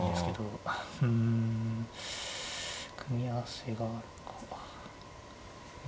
うん組み合わせがあるか。